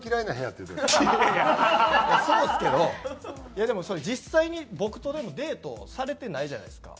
いやでも実際に僕とでもデートされてないじゃないですか。